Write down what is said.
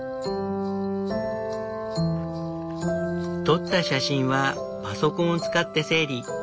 撮った写真はパソコンを使って整理。